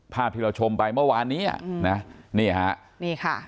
ภาพที่เราชมไปเมื่อวานนี้อ่ะนะนี่ฮะนี่ค่ะ